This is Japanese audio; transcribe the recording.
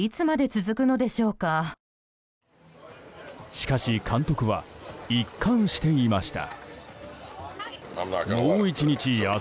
しかし監督は一貫していました。